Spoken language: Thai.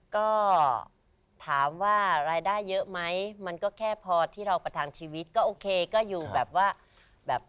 ก็ถามว่ารายได้เยอะไหมมันก็แค่พอที่เราประทังชีวิตก็โอเคก็อยู่แบบว่าแบบ